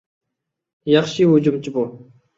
ياخشى ھۇجۇمچى بۇ.